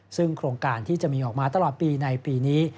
ซึ่งโครงการที่จะมีออกมาตลอดปีในปีนี้